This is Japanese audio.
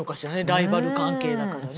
ライバル関係だからね。